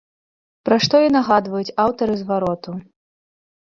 Пра што і нагадваюць аўтары звароту.